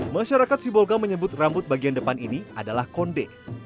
masyarakat sibolga menyebut rambut bagian depan ini adalah konde